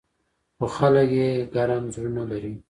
خو خلک یې ګرم زړونه لري.